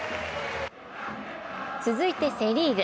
続いてセ・リーグ。